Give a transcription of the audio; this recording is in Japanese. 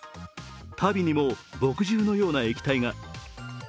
足袋にも墨汁のような液体が。